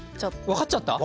分かっちゃった？